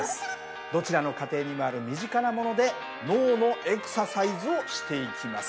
どちらの家庭にもある身近なもので脳のエクササイズをしていきます。